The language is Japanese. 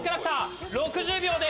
６０秒で